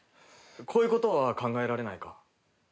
こういう事は考えられないか？